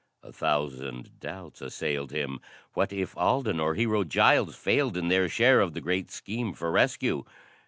A thousand doubts assailed him. What if Alden or Hero Giles failed in their share of the great scheme for rescue?